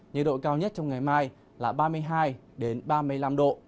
nhật độ cao nhất trong ngày mai là ba mươi hai đến ba mươi năm độ